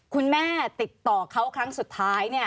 คุณแม่ติดต่อเขาครั้งสุดท้ายเนี่ย